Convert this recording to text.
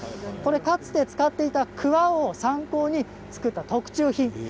かつて使っていた、くわを参考に作った特注品。